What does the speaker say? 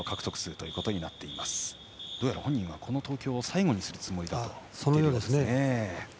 どうやら本人はこの東京を最後にするつもりのようですね。